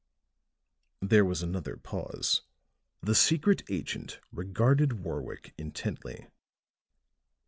There was another pause. The secret agent regarded Warwick intently.